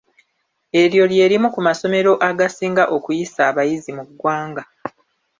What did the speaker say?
Eryo lyelimu ku masomero agasinga okuyisa abayizi mu ggwanga.